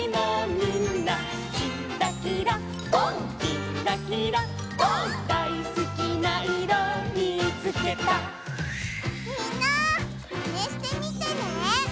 みんなマネしてみてね！